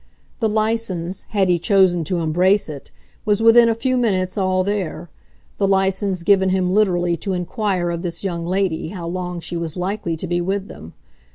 The license, had he chosen to embrace it, was within a few minutes all there the license given him literally to inquire of this young lady how long she was likely to be with them.